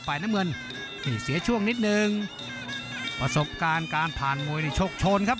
น้ำเงินนี่เสียช่วงนิดนึงประสบการณ์การผ่านมวยนี่ชกชนครับ